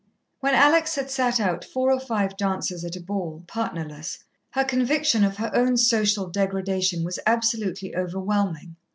When Alex had sat out four or five dances at a ball, partnerless, her conviction of her own social degradation was absolutely overwhelming.